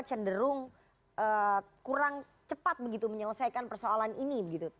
senderung kurang cepat begitu menyelesaikan persoalan ini gitu